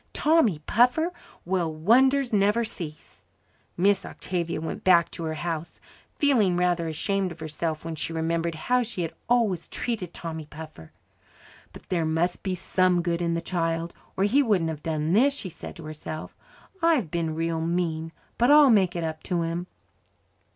"Tommy Puffer! Well, wonders will never cease." Miss Octavia went back to her house feeling rather ashamed of herself when she remembered how she had always treated Tommy Puffer. "But there must be some good in the child, or he wouldn't have done this," she said to herself. "I've been real mean, but I'll make it up to him."